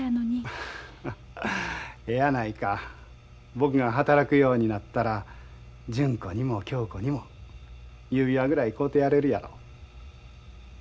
僕が働くようになったら純子にも恭子にも指輪ぐらい買うてやれるやろ。